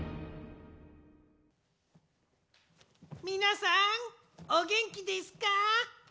みなさんおげんきですか？